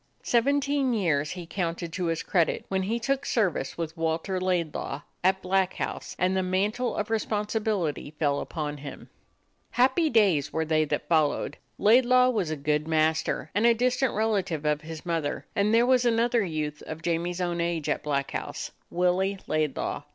Seventeen years he counted to his credit when he took service with Walter Laidlaw at Black House and the man tle of responsibility fell upon him. Happy days were they that followed. Laidlaw was a good master and a distant rela tive of his mother, and there was another youth of Jamie's own age at Black House — Willie Laidlaw.